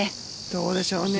どうでしょうか。